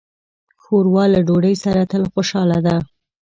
ښوروا له ډوډۍ سره تل خوشاله ده.